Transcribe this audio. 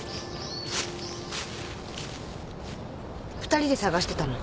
２人で探してたの？